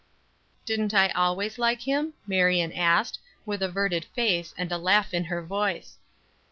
"Didn't I always like him," Marion asked, with averted face and a laugh in her voice.